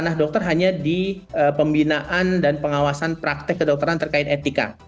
anak dokter hanya di pembinaan dan pengawasan praktek kedokteran terkait etika